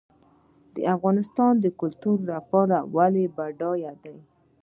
د افغانستان کلتور ولې بډای دی؟